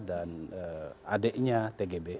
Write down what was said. dan adiknya tgb